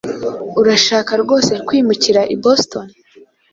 Urashaka rwose kwimukira i Boston?